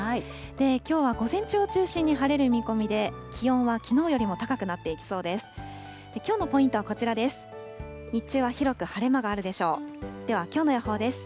きょうは午前中を中心に晴れる見込みで、気温はきのうよりも高くなっていきそうです。